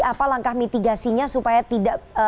apa langkah mitigasinya supaya tidak